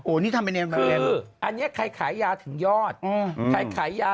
โอ้นี่ทำเป็นคืออันเนี้ยใครขายยาถึงยอดอืมใครขายยา